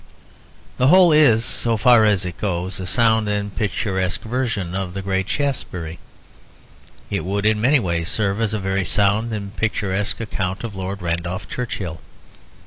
The whole is, so far as it goes, a sound and picturesque version of the great Shaftesbury. It would, in many ways, serve as a very sound and picturesque account of Lord Randolph Churchill.